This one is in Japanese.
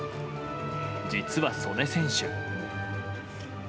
実は、素根選手。